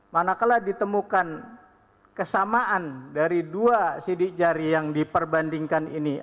manakala ditemukan kesamaan dari dua sidik jari yang diperbandingkan ini